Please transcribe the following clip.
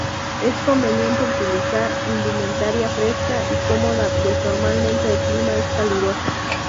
Es conveniente utilizar indumentaria fresca y cómoda pues normalmente el clima es caluroso.